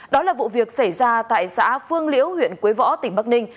đó là vụ việc xảy ra tại xã phương liễu huyện quế võ tỉnh bắc ninh